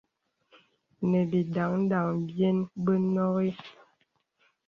Nə̀ bìndandan byen bə nɔghi.